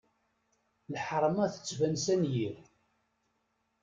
Lḥeṛma tettban s anyir.